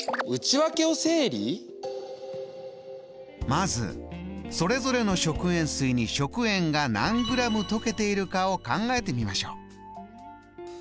まずそれぞれの食塩水に食塩が何グラム溶けているかを考えてみましょう。